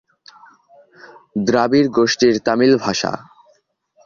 দ্রাবিড়-গোষ্ঠীর তামিল ভাষা।